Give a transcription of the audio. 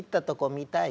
「見たい」。